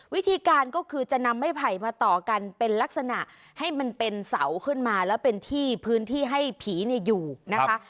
วิธีการก็คือจะนำไม้ไผ่มาต่อกันเป็นลักษณะให้มันเป็นเสาขึ้นมาแล้วเป็นที่พื้นที่ให้ผีอยู่นะคะ